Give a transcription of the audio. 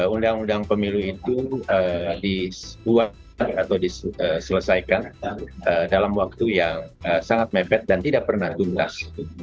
undang undang pemilu itu dibuat atau diselesaikan dalam waktu yang sangat mepet dan tidak pernah tuntas